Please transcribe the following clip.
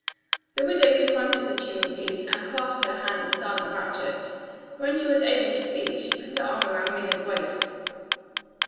The widow confronted the chimney piece, and clasped her hands in silent rapture. When she was able to speak, she put her arm round Minna's waist.